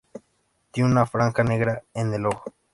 Tienen una franja negra en el ojo.